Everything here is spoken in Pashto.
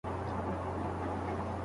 د څښاک اوبه د کورنۍ غوښتنه ده.